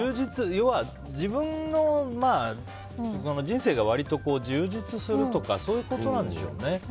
要は自分の人生が割と充実するとかそういうことなんでしょうね。